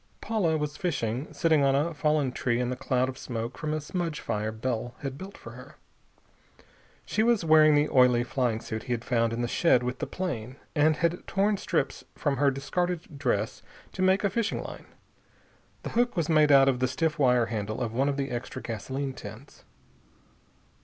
Paula was fishing, sitting on a fallen tree in the cloud of smoke from a smudge fire Bell had built for her. She was wearing the oily flying suit he had found in the shed with the plane, and had torn strips from her discarded dress to make a fishing line. The hook was made out of the stiff wire handle of one of the extra gasoline tins.